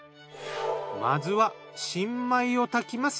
まずは新米を炊きます。